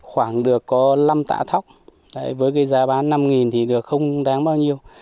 khoảng được có năm tạ thóc với cái giá bán năm thì được không đáng bao nhiêu